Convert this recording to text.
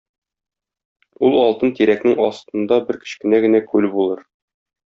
Ул алтын тирәкнең астында бер кечкенә генә күл булыр.